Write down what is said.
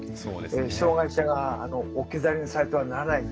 障害者が置き去りにされてはならない。